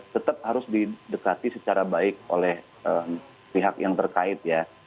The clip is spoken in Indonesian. tetap harus didekati secara baik oleh pihak yang terkait ya